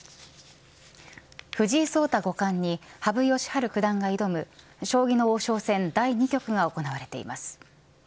藤井聡太五冠に羽生善治九段が挑む将棋の王将戦第２局が行われています。